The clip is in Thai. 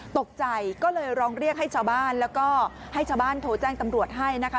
ตกใจก็เลยร้องเรียกให้ชาวบ้านแล้วก็ให้ชาวบ้านโทรแจ้งตำรวจให้นะคะ